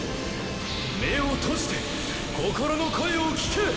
目を閉じて心の声を聞け！